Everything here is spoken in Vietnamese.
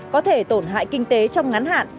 có thể tổn hại kinh tế trong ngắn hạn